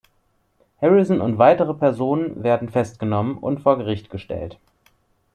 Harrison und weitere Personen werden festgenommen und vor Gericht gestellt.